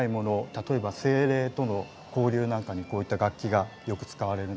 例えば精霊との交流なんかにこういった楽器がよく使われるんですね。